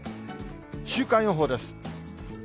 週間予報です。